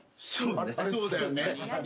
そうだよね。